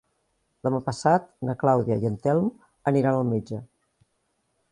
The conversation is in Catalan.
Demà passat na Clàudia i en Telm aniran al metge.